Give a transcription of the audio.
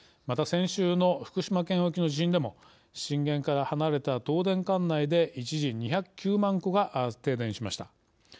また先週の福島県沖の地震でも震源から離れた東電管内で一時、２０９万戸が停電しました。